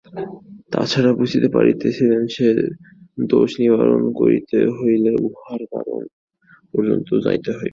তাঁহারা বুঝিতে পারিয়াছিলেন যে, দোষ নিবারণ করিতে হইলে উহার কারণ পর্যন্ত যাইতে হইবে।